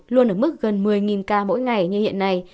luôn ở mức gần một mươi ca mỗi ngày như hiện nay